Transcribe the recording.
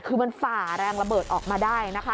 คือมันฝ่าแรงระเบิดออกมาได้นะคะ